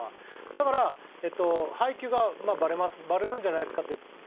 だから配球がバレますバレるんじゃないですかって。